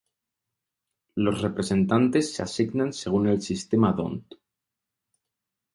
Los representantes se asignan según el sistema d'Hondt.